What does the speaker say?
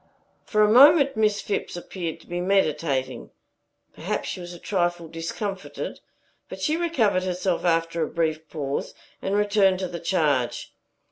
For a moment Miss Phipps appeared to be meditating. Perhaps she was a trifle discomfited; but she recovered herself after a brief pause, and returned to the charge.